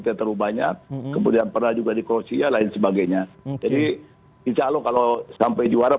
terlalu banyak kemudian pernah juga di krusia lain sebagainya jadi insya allah kalau sampai juara